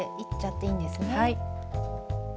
はい。